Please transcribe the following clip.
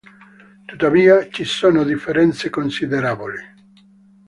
Tuttavia, ci sono differenze considerevoli.